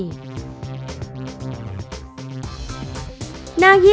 จุดที่๓รวมภาพธนบัตรที่๙